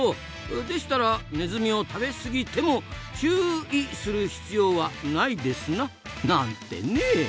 でしたらネズミを食べ過ぎても「チューい」する必要はないですな！なんてね。